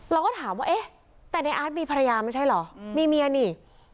เราก็ถามว่าเอ๊ะแต่ในอาร์ตมีภรรยาไม่ใช่เหรอมีเมียนี่